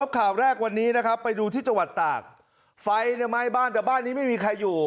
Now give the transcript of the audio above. ข่าวแรกวันนี้นะครับไปดูที่จังหวัดตากไฟไหม้บ้านแต่บ้านนี้ไม่มีใครอยู่